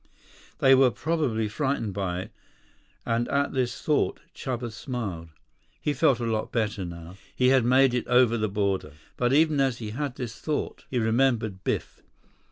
They were probably frightened by it, and at this thought, Chuba smiled. He felt a lot better now. He had made it over the border. But even as he had this thought, he remembered Biff.